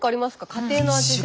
家庭の味で。